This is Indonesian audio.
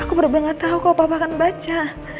aku bener bener gak tau kalau papa akan baca